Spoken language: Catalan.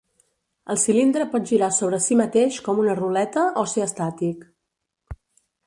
El cilindre pot girar sobre si mateix, com una ruleta, o ser estàtic.